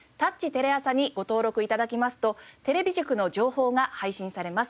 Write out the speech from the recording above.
★テレアサにご登録頂きますとテレビ塾の情報が配信されます。